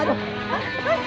aduh apa ini jadi